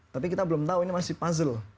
tapi kita belum tahu ini masih puzzle